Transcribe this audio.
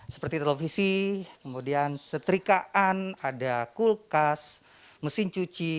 seperti televisi kemudian setrikaan ada kulkas mesin cuci